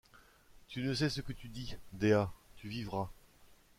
Tu ne sais ce que tu dis, Dea! tu vivras.